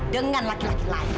dengan laki laki lain